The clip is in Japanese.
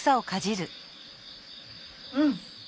うん。